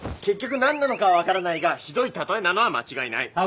結局何なのかは分からないがひどい例えなのは間違いない。